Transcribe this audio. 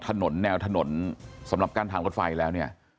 ถนนแนวถนนสำหรับกั้นทางรถไฟแล้วเนี่ย